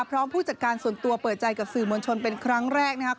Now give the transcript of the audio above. พร้อมผู้จัดการส่วนตัวเปิดใจกับสื่อมวลชนเป็นครั้งแรก